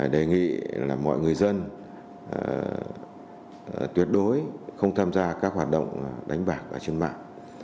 đề nghị mọi người dân tuyệt đối không tham gia các hoạt động đánh bạc trên mạng